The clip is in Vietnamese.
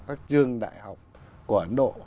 các trường đại học của ấn độ